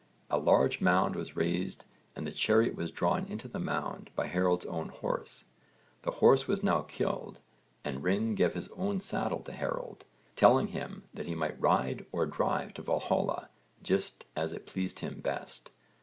A large mound was raised and the chariot was drawn into the mound by Harold's own horse. The horse was now killed and Ring gave his own saddle to Harold, telling him that he might ride or drive to Valhalla just as it pleased him best.